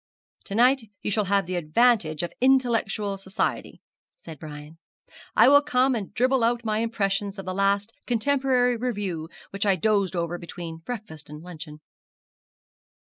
'To night you shall have the advantage of intellectual society,' said Brian. 'I will come and dribble out my impressions of the last Contemporary Review, which I dozed over between breakfast and luncheon.'